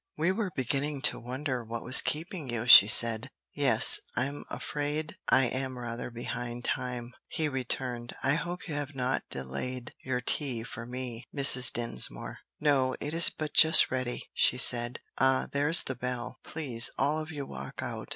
"We were beginning to wonder what was keeping you," she said. "Yes, I'm afraid I am rather behind time," he returned. "I hope you have not delayed your tea for me, Mrs. Dinsmore." "No; it is but just ready," she said. "Ah, there's the bell. Please, all of you walk out."